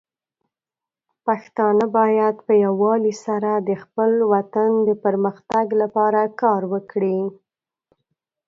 پښتانه بايد په يووالي سره د خپل وطن د پرمختګ لپاره کار وکړي.